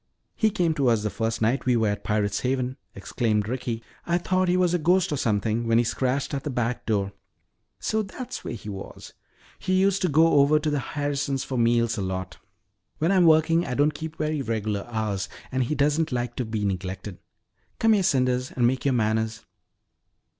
"He came to us the first night we were at Pirate's Haven," explained Ricky. "I thought he was a ghost or something when he scratched at the back door." "So that's where he was. He used to go over to the Harrisons' for meals a lot. When I'm working I don't keep very regular hours and he doesn't like to be neglected. Come here, Cinders, and make your manners."